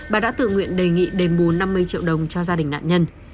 bà đã tự nguyện đề nghị đền bù năm mươi triệu đồng cho gia đình nạn nhân